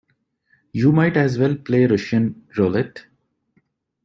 You might as well play Russian roulette.